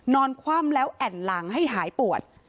คว่ำแล้วแอ่นหลังให้หายปวด